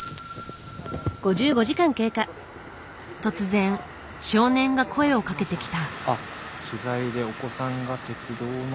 突然少年が声をかけてきた。